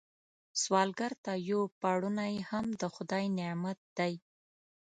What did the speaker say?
سوالګر ته یو پړونی هم د خدای نعمت دی